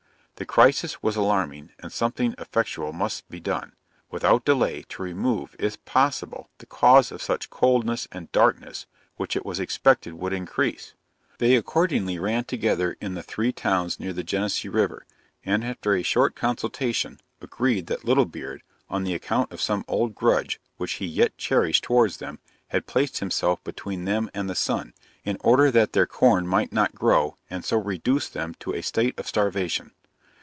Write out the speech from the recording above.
The crisis was alarming, and something effectual must be done, without delay, to remove, if possible, the cause of such coldness and darkness, which it was expected would increase. They accordingly ran together in the three towns near the Genesee river, and after a short consultation agreed that Little Beard, on the account of some old grudge which he yet cherished towards them, had placed himself between them and the sun, in order that their corn might not grow, and so reduce them to a state of starvation.